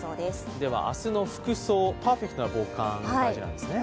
では明日の服装、パーフェクトな防寒が大事なんですね。